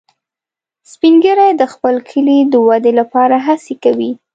سپین ږیری د خپل کلي د ودې لپاره هڅې کوي